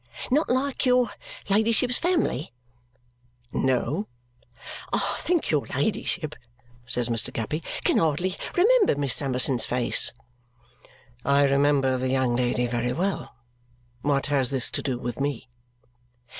"Not like your ladyship's family?" "No." "I think your ladyship," says Mr. Guppy, "can hardly remember Miss Summerson's face?" "I remember the young lady very well. What has this to do with me?"